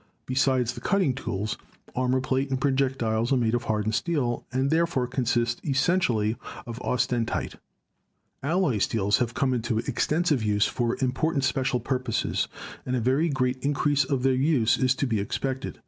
Besides the cutting tools, armor plate and projectiles are made of hardened steel and therefore con sist essentially of austenite. Alloy steels have come into extensive use for important special purposes and a very great increase of their use is to be expected.